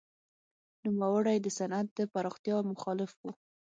نوموړی د صنعت د پراختیا مخالف و.